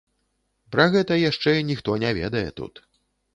Пра гэта яшчэ ніхто не ведае тут.